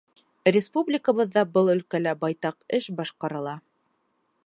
Республикабыҙҙа был өлкәлә байтаҡ эш башҡарыла.